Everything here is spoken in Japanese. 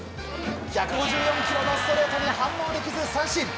１５４キロのストレートに反応できず三振！